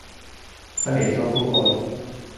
Fenéklakó hal.